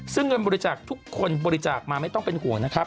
ซึ่งเงินบริจาคทุกคนบริจาคมาไม่ต้องเป็นห่วงนะครับ